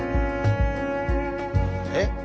えっ？